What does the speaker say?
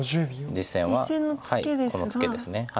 実戦はこのツケです。